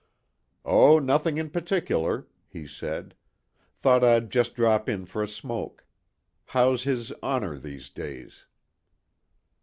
"Oh, nothing in particular," he said. "Thought I'd just drop in for a smoke. How's his Honor, these days?"